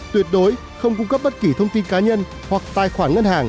tuyệt đối không cung cấp bất kỳ thông tin cá nhân hoặc tài khoản ngân hàng